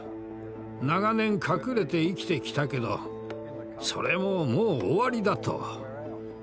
長年隠れて生きてきたけどそれももう終わりだと。